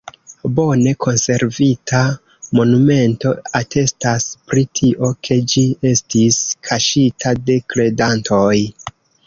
Bone konservita monumento atestas pri tio, ke ĝi estis kaŝita de kredantoj.